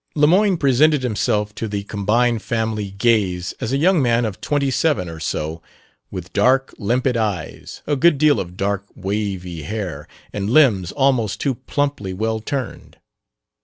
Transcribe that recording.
Lemoyne presented himself to the combined family gaze as a young man of twenty seven or so, with dark, limpid eyes, a good deal of dark, wavy hair, and limbs almost too plumply well turned.